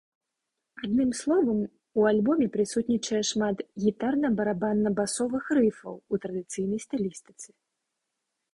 Адным словам, у альбоме прысутнічае шмат гітарна-барабанна-басовых рыфаў у традыцыйнай стылістыцы.